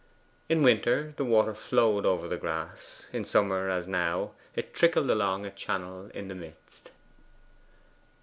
In winter, the water flowed over the grass; in summer, as now, it trickled along a channel in the midst.